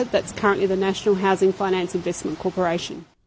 yang sekarang adalah national housing finance investment corporation